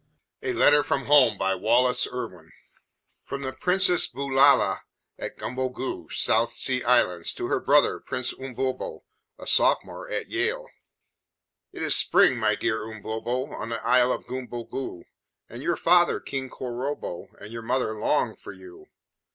A LETTER FROM HOME From the Princess Boo Lally, at Gumbo Goo, South Sea Islands, to Her Brother, Prince Umbobo, a Sophomore at Yale. BY WALLACE IRWIN "It is spring, my dear Umbobo, On the isle of Gumbo Goo, And your father, King Korobo, And your mother long for you.